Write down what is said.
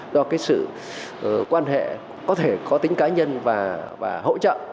do cái sự quan hệ có thể có tính cá nhân và hỗ trợ